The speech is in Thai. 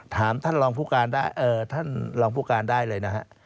ถามท่านรองผู้การได้เลยนะฮะ